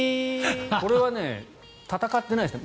これは闘ってないですね